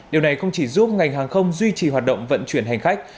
điều này không chỉ giúp ngành hàng không duy trì hoạt động vận chuyển hành khách